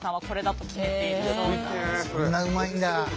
そんなうまいんだ。